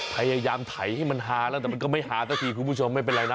พยายามไถให้มันฮาแต่มันก็ไม่ฮาตัวทีคุณผู้ชมไม่เป็นไรนะ